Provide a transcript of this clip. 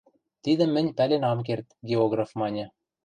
— Тидӹм мӹнь пӓлен ам керд, — географ маньы.